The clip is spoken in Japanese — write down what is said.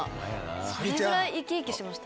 それぐらい生き生きしてました。